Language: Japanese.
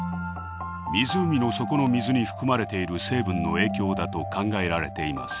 湖の底の水に含まれている成分の影響だと考えられています。